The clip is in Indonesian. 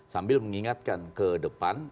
sambil mengingatkan ke depan